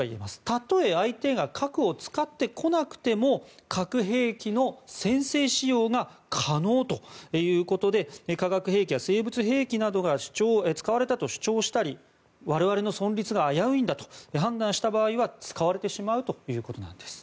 たとえ相手が核を使ってこなくても核兵器の先制使用が可能ということで化学兵器や生物兵器が使われたと主張したり我々の存立が危ういんだと判断した場合は使われてしまうということなんです。